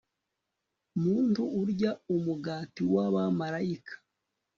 muntu arya umugati w'abamalayika